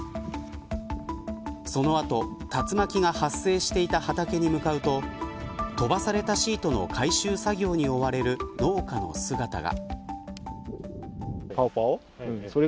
その後、竜巻が発生していた畑に向かうと飛ばされたシートの回収作業に追われる農家の姿が。